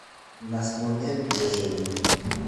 مسمومیت پېښوي.